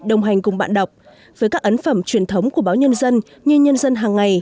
đồng hành cùng bạn đọc với các ấn phẩm truyền thống của báo nhân dân như nhân dân hàng ngày